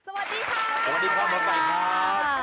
สวัสดีค่ะ